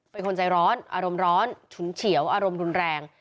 เป็นคนใจร้อนอารมณ์ร้อนฉุนเฉียวอารมณ์รุนแรง